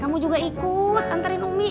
kamu juga ikut antarin numi